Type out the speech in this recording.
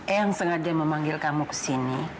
eyang sengaja memanggil kamu ke sini